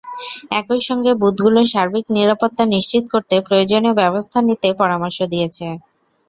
একই সঙ্গে বুথগুলোর সার্বিক নিরাপত্তা নিশ্চিত করতে প্রয়োজনীয় ব্যবস্থা নিতে পরামর্শ দিয়েছে।